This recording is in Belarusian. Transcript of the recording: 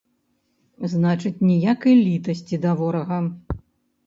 Значыць, ніякай літасці да ворага!